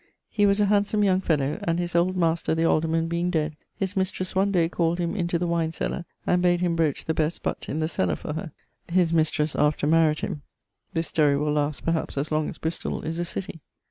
He was a handsome young fellow; and his old master the alderman being dead, his mistress one day called him into the wine cellar and bad him broach the best butt in the cellar for her.... His mistresse after maried him. This story will last perhaps as long as Bristol is a city.